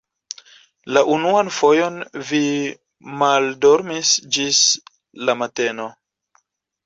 La unuan fojon vi maldormis ĝis la mateno.